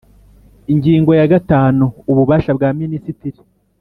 Ingingo ya gatanu Ububasha bwa Minisitiri